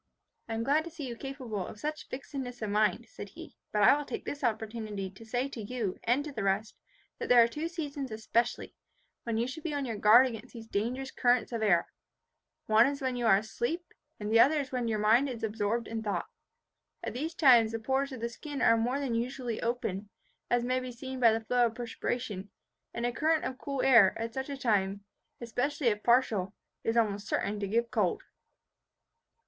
"I am glad to see you capable of such fixedness of mind," said he, "but I will take this opportunity to say to you, and to the rest, that there are two seasons, especially, when you should be on your guard against these dangerous currents of air, one is when you are asleep, and the other is when your mind is absorbed in thought. At these times the pores of the skin are more than usually open, as may be seen by the flow of perspiration; and a current of cool air, at such a time, especially if partial, is almost certain to give cold."